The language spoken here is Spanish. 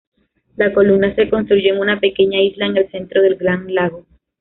La columna se construyó en una pequeña isla en el centro del Gran Lago.